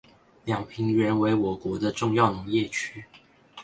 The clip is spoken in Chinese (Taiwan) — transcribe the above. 兩平原為我國的重要農業區